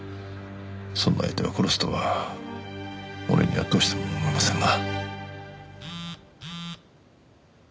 そんな相手を殺すとは俺にはどうしても思えませんが。